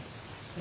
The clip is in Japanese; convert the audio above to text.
え？